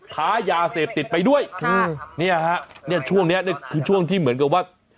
ขายาเสพติดไปด้วยเนี่ยฮะช่วงนี้คือช่วงที่เหมือนกับว่า